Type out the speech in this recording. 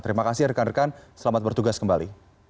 terima kasih rekan rekan selamat bertugas kembali